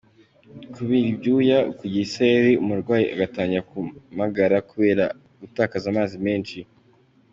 Kubira ibyuya, ukugira isereri, umurwayi atangira kumagara kubera gutakaza amazi menshi.